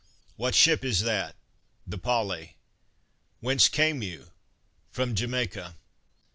"What ship is that?" "The Polly." "Whence came you?" "From Jamaica."